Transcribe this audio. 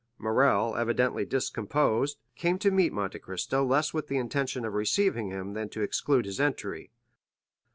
Morrel, evidently discomposed, came to meet Monte Cristo less with the intention of receiving him than to exclude his entry.